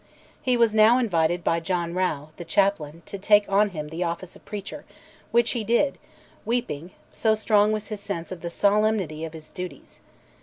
He was now invited by John Rough, the chaplain, to take on him the office of preacher, which he did, weeping, so strong was his sense of the solemnity of his duties.